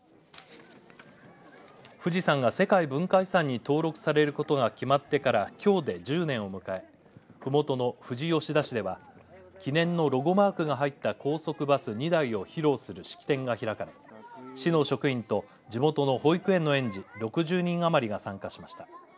富士山が世界文化遺産に登録されることが決まってからきょうで１０年を迎えふもとの富士吉田市では記念のロゴマークが入った高速バス２台を披露する式典が開かれ市の職員と地元の保育園の園児６０人余りが参加しました。